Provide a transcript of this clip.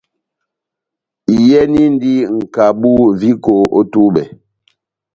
Iyɛnindi nʼkabu viko ό túbɛ.